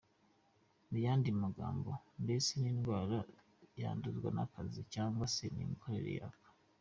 Mu yandi magambo mbese n’indwara yanduzwa n’akazi cyangwa se imikorerwe yako.